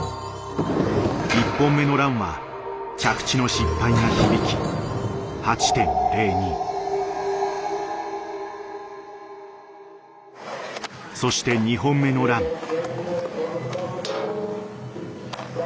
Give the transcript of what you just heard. １本目のランは着地の失敗が響きそして２本目のラン。